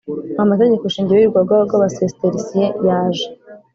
amategeko shingiro y Urugaga rw aba Cistercien yaje